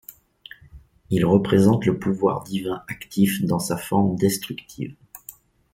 Il représente le pouvoir divin actif dans sa forme destructive.